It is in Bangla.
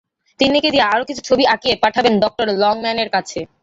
তিন্নিকে দিয়ে আরো কিছু ছবি আঁকিয়ে পাঠাবেন ডঃ লংম্যানের কাছে।